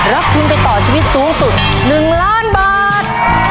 ทุนไปต่อชีวิตสูงสุด๑ล้านบาท